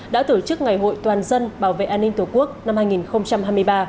đã tổ chức ngày hội toàn dân bảo vệ an ninh tổ quốc năm hai nghìn hai mươi ba